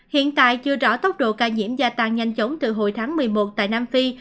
hiện tại chưa rõ tốc độ ca nhiễm gia tăng nhanh chóng từ hồi tháng một mươi một tại nam phi